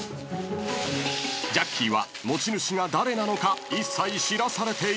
［ジャッキーは持ち主が誰なのか一切知らされていない］